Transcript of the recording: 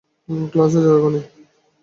ক্লাসে যাও, এখুনি!